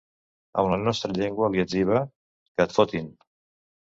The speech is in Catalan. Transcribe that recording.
Amb la nostra llengua li etziba: Que et fotin.